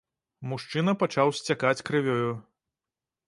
Мужчына пачаў сцякаць крывёю.